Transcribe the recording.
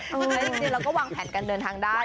จริงเราก็วางแผนการเดินทางได้